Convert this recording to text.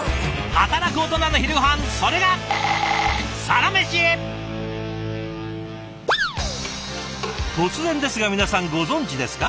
働くオトナの昼ごはんそれが突然ですが皆さんご存じですか？